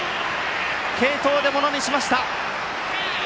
継投でものにしました。